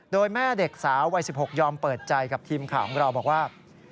โดยแม่เด็กสาววัย๑๖ยอมเปิดใจกับทีมข่าวของเราบอกว่า